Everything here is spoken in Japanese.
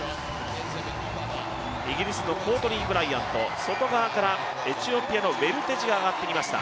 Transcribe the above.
イギリスのコートニーブライアント、外側からエチオピアのウェルテジが上がってきました。